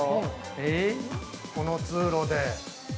◆この通路で。